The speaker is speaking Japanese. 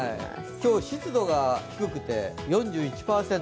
今日、湿度が低くて４１％。